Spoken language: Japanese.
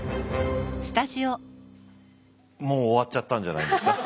もう終わっちゃったんじゃないですか。